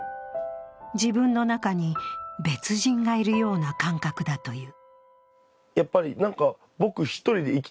自分の中に、別人がいるような感覚だという。